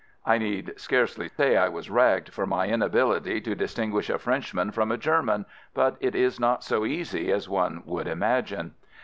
I need scarcely say I was ragged for my inability to distinguish a Frenchman from a German, but it is not so easy as one would imagine.